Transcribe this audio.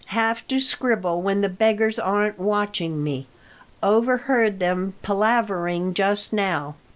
Have to scribble when the beggars aren't watching me. Overheard them palavering just now.